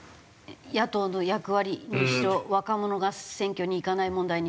野党の役割にしろ若者が選挙に行かない問題にしろ。